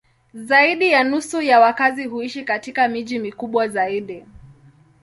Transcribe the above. Zaidi ya nusu ya wakazi huishi katika miji mikubwa zaidi.